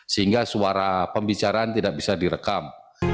sehingga suara pembicaraan tidak bisa direkam